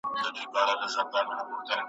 شپې چي مي په صبر سپینولې اوس یې نه لرم ,